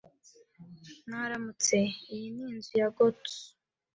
Mwaramutse. Iyi ni inzu ya Gotos?